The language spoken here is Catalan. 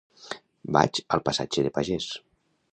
Vaig al passatge de Pagès.